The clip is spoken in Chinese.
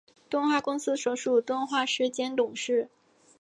动画公司所属动画师兼董事。